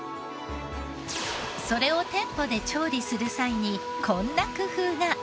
それを店舗で調理する際にこんな工夫が。